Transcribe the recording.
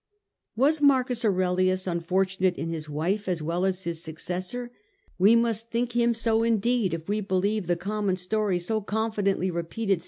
Was M. Aurelius unfortunate in his wife as well as his successor ? We must think him so indeed if we believe the common story, so confidently repeated